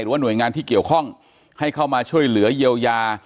หรือว่าหน่วยงานที่เกี่ยวข้องให้เข้ามาช่วยเหลือเยียวยา